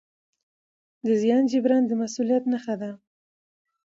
د زیان جبران د مسؤلیت نښه ده.